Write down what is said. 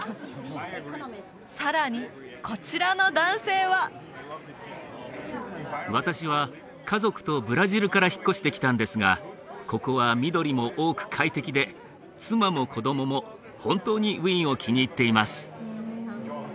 さらにこちらの男性は私は家族とブラジルから引っ越してきたんですがここは緑も多く快適で妻も子供も本当にウィーンを気に入っています